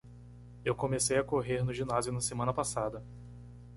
Eu comecei a correr no ginásio na semana passada.